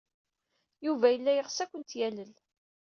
Yuba yella yeɣs ad kent-yalel.